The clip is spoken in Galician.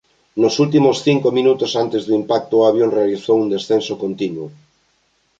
Nos últimos cinco minutos antes do impacto o avión realizou un descenso continuo.